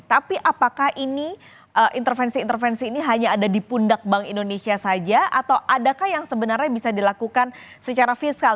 tapi apakah ini intervensi intervensi ini hanya ada di pundak bank indonesia saja atau adakah yang sebenarnya bisa dilakukan secara fiskal